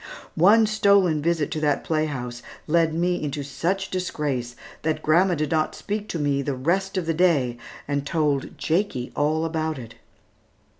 One stolen visit to that playhouse led me into such disgrace, that grandma did not speak to me the rest of the day, and told Jakie all about it.